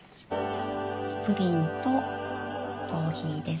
プリンとコーヒーです。